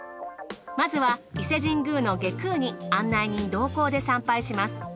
まずは伊勢神宮の外宮に案内人同行で参拝します。